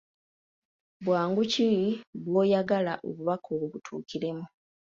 Bwangu ki bw'oyagala obubaka obwo butuukiremu?